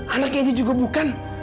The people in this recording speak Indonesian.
anaknya juga bukan